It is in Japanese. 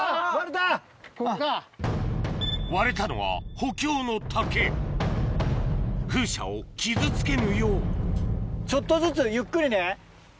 割れたのは風車を傷つけぬようちょっとずつゆっくりね。